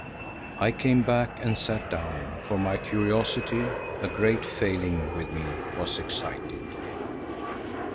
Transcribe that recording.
I came back and sat down, for my curiosity, a great failing with me, was excited.